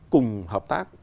cùng hợp tác